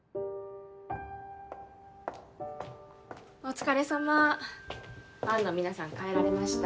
お疲れさまファンの皆さん帰られました。